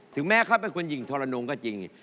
แม้เขาเป็นคนหญิงทรนงก็จริง